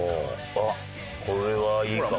あっこれはいいかも。